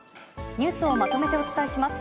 ニュースをまとめてお伝えします。